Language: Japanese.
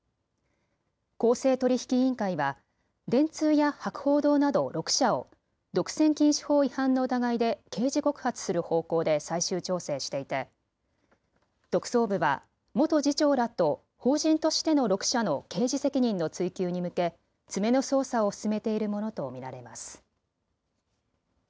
公正取引委員会は電通や博報堂など６社を独占禁止法違反の疑いで刑事告発する方向で最終調整していて特捜部は元次長らと法人としての６社の刑事責任の追及に向け詰めの捜査を進めているものと見られます。